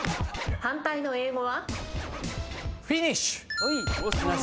反対の英語は？